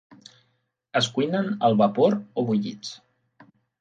Es cuinen al vapor o bullits.